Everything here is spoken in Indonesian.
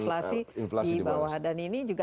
inflasi di bawah dan ini juga